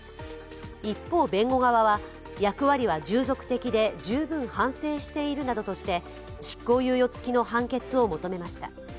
一方、弁護側は役割は従属的で十分反省しているなどとして、執行猶予付きの判決を求めました。